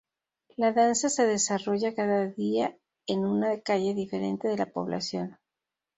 La Danza se desarrolla cada día en una calle diferente de la población.